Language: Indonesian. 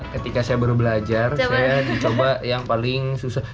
ketika saya baru belajar saya dicoba yang paling susah